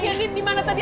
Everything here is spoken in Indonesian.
gigi sudah selesai